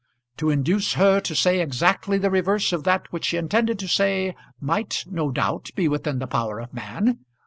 To induce her to say exactly the reverse of that which she intended to say might, no doubt, be within the power of man.